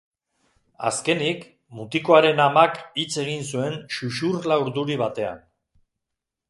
Azkenik, mutikoaren amak hitz egin zuen xuxurla urduri batean.